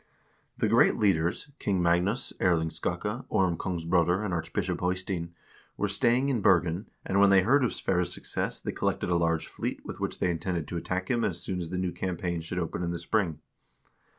The great leaders — King Magnus, Erling Skakke, Orm Kongsbroder, and Archbishop Eystein — were staying in Bergen, and when they heard of Sverre's success they collected a large fleet with which they intended to attack him as soon as the new campaign should open in the spring.